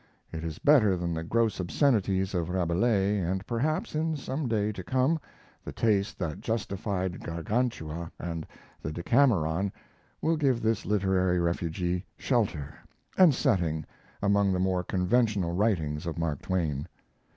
It is better than the gross obscenities of Rabelais, and perhaps, in some day to come, the taste that justified Gargantua and the Decameron will give this literary refugee shelter and setting among the more conventional writings of Mark Twain.